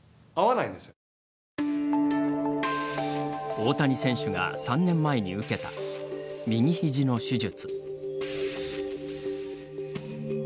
大谷選手が３年前に受けた右ひじの手術。